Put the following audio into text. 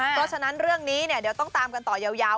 เพราะฉะนั้นเรื่องนี้เดี๋ยวต้องตามกันต่อยาว